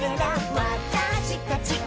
「わたしたちを」